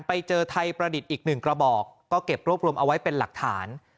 ไปเจอไทยประดิษฐ์อีกหนึ่งกระบอกก็เก็บรวบรวมเอาไว้เป็นหลักฐาน